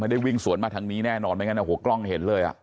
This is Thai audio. ไม่ได้วิ่งสวนมาทางนี้แน่นอนไม่งั้นนะหัวกล้องเห็นเลย